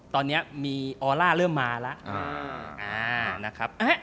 ตอนนี้มีออลล่าเริ่มมาแล้ว